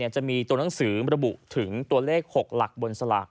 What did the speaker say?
จะมีตัวหนังสือระบุถึงตัวเลข๖หลักบนสลาก